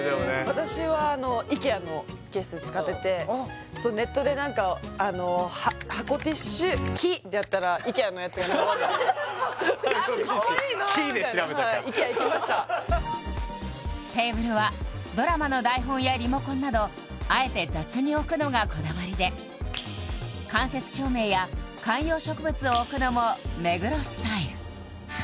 私はあのＩＫＥＡのケース使っててネットで何かあの「箱ティッシュ木」でやったらＩＫＥＡのやつが「箱ティッシュ木」で調べたんだあかわいいなみたいなはいＩＫＥＡ行きましたテーブルはドラマの台本やリモコンなどあえて雑に置くのがこだわりで間接照明や観葉植物を置くのも目黒スタイル